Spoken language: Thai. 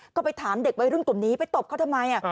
ก็ไปถามเด็กวัยรุ่นกลุ่มนี้ไปตบเขาทำไม